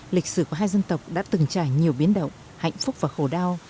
lịch sử của hai dân tộc đã từng trải nhiều biến động hạnh phúc và khổ đau